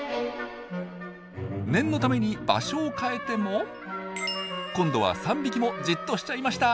念のために場所を変えても今度は３匹もじっとしちゃいました！